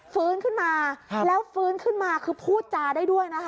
ฟื้นขึ้นมาแล้วฟื้นขึ้นมาคือพูดจาได้ด้วยนะคะ